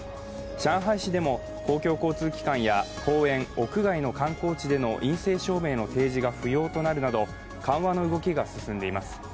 上海市でも公共交通機関や公園、屋外の観光地での陰性証明の提示が不要となるなど緩和の動きが進んでいます。